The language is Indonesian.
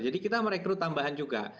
jadi kita merekrut tambahan juga